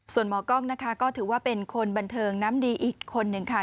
ส่วนหมอกล้องนะคะก็ถือว่าเป็นคนบันเทิงน้ำดีอีกคนหนึ่งค่ะ